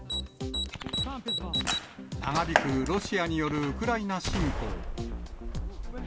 長引くロシアによるウクライナ侵攻。